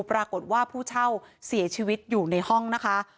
ปรากฏว่าผู้เช่าเสียชีวิตอยู่ในห้องนะคะ